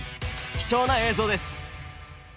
貴重な映像です。